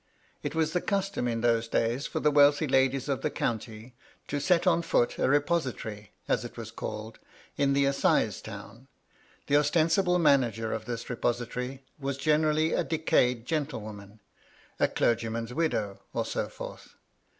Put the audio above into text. It was the custom in those days for the wealthy ladies of the county to set on foot a repository, as it was called, in the assize towa The ostensible manager of this repository was generally a decayed gentlewoman, a clergyman's widow, or so forth.